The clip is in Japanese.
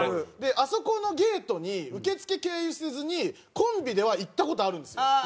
あそこのゲートに受付経由せずにコンビでは行った事あるんですよ。